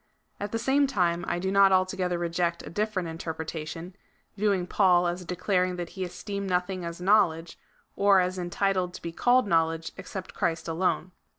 At the same time I do not alto gether reject a diiFerent interpretation — viewing Paul as de claring that he esteemed nothing as knowledge, or as entitled to be called knowledge, except Christ alone.